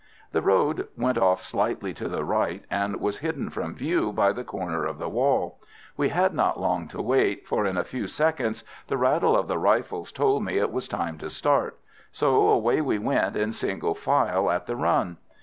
The road went off slightly to the right, and was hidden from view by the corner of the wall. We had not long to wait, for in a few seconds the rattle of the rifles told me it was time to start, so away we went in single file at the run.